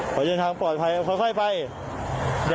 กินตรงไทย